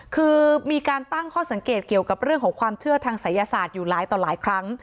คือมีการตั้งข้อสังเกตเกี่ยวกับเรื่องของความเชื่อทางศัยศาสตร์อยู่หลายต่อหลายครั้ง